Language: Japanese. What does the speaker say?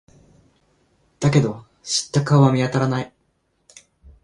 だけど、知った顔は見当たらない。